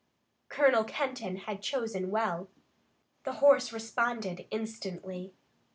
Colonel Kenton had chosen well. The horse responded instantly.